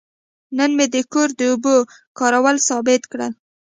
نن مې د کور د اوبو کارول ثابت کړل.